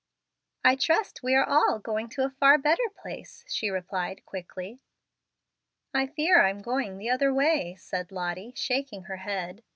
"I trust we are all going to a far better place," she replied, quickly. "I fear I'm going the other way," said Lottie, shaking her head.